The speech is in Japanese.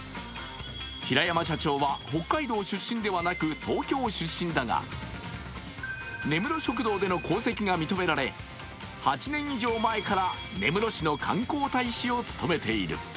平山社長は、北海道出身ではなく東京出身だが、根室食堂での功績が認められ８年以上前から根室市の観光大使を務めている。